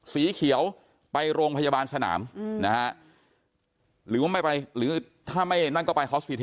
สีเขียวไปโรงพยาบาลสนามนะฮะหรือว่าไม่ไปหรือถ้าไม่นั่นก็ไปฮอสพิเท